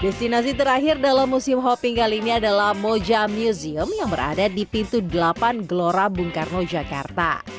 destinasi terakhir dalam museum hopping kali ini adalah moja museum yang berada di pintu delapan gelora bung karno jakarta